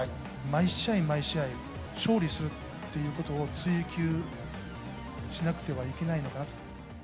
毎試合毎試合、勝利するっていうことを追求しなくてはいけないのかなと。